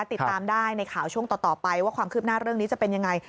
ติดตามได้ในข่าวช่วงต่อไปว่าความคืบหน้าเรื่องนี้จะเป็นยังไง